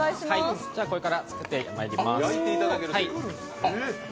これから作ってまいります。